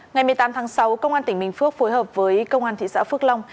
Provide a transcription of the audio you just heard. ngày một mươi tám tháng sáu công an tỉnh bình phước phối hợp với công an thị xã phước long